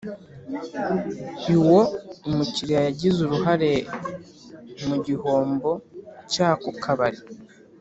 Iwo umukiriya yagize uruhare mu gihombo cyako kabari